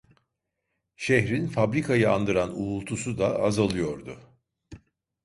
Şehrin fabrikayı andıran uğultusu da azalıyordu.